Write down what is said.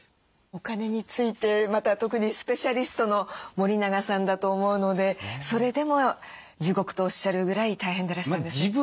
お金についてまた特にスペシャリストの森永さんだと思うのでそれでも地獄とおっしゃるぐらい大変でらしたんですね。